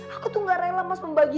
aku tuh nggak rela mas membaginya